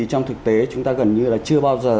trong thực tế chúng ta gần như là chưa bao giờ